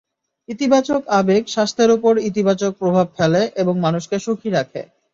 ইতিবাচক আবেগ স্বাস্থ্যের ওপর ইতিবাচক প্রভাব ফেলে এবং মানুষকে সুখী রাখে।